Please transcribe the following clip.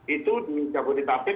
itu di jabodetabek